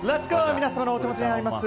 皆様のお手元にあります